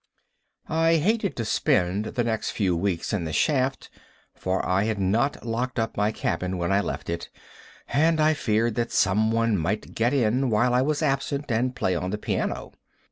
I hated to spend the next few weeks in the shaft, for I had not locked up my cabin when I left it, and I feared that someone might get in while I was absent and play on the piano.